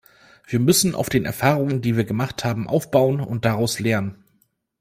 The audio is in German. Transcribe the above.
Wir müssen auf den Erfahrungen, die wir gemacht haben, aufbauen und daraus lernen.